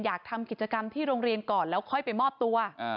อยากทำกิจกรรมที่โรงเรียนก่อนแล้วค่อยไปมอบตัว